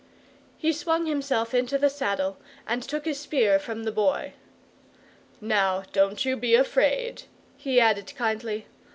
He swung himself into the saddle and took his spear from the Boy. "Now don't you be afraid," he added kindly.